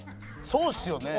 そうっすよね。